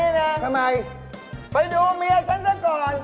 ดีเขาไม่โกนหัวหรอก